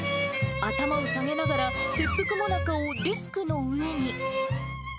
頭を下げながら、切腹最中をデスクの上に。